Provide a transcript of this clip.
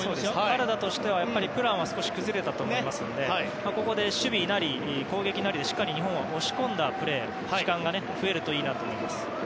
カナダとしてはプランは少し崩れたと思いますのでここで守備なり攻撃なりでしっかり日本は押し込んだプレーや時間が増えるといいですね。